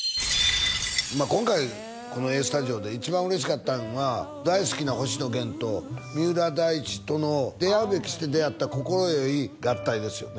今回この「ＡＳＴＵＤＩＯ＋」で一番嬉しかったんは大好きな星野源と三浦大知との出会うべくして出会った快い合体ですよね